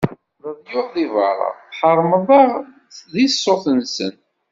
Leḍyur di berra, tḥermeḍ-aɣ di ṣṣut-nsen.